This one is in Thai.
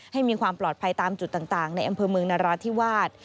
ให้มีความปลอดภัยตามจุดต่างในอำเภอเมืองนราธิวาส